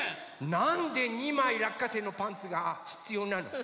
なんで２まいらっかせいのパンツがひつようなの？